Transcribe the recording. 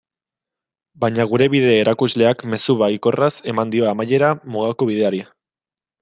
Baina gure bide-erakusleak mezu baikorraz eman dio amaiera Mugako Bideari.